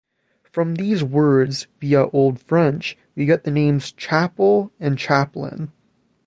From these words, via Old French, we get the names "chapel" and "chaplain".